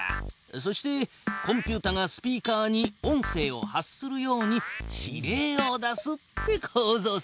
そしてコンピュータがスピーカーに音声を発するように指令を出すってこうぞうさ。